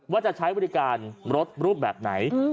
ว่าจะใช้บริการรถรูปแบบไหน